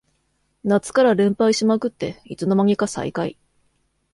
夏から連敗しまくっていつの間にか最下位